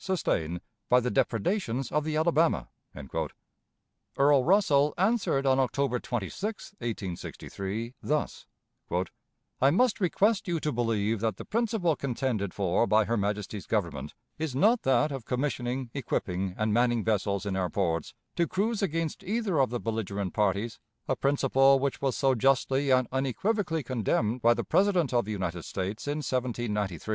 ] sustain by the depredations of the Alabama." Earl Russell answered on October 26, 1863, thus: "I must request you to believe that the principle contended for by her Majesty's Government is not that of commissioning, equipping, and manning vessels in our ports to cruise against either of the belligerent parties a principle which was so justly and unequivocally condemned by the President of the United States in 1793. ...